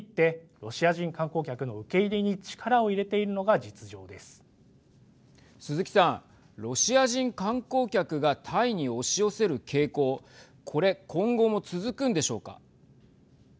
ロシア人観光客がタイに押し寄せる傾向これ、今後も続くんでしょうか。